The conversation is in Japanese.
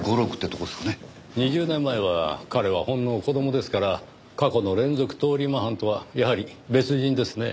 ２０年前は彼はほんの子供ですから過去の連続通り魔犯とはやはり別人ですね。